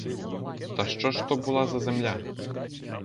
Та що ж то була за земля?